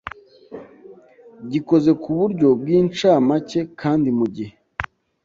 gikoze ku buryo bw incamake kandi mu gihe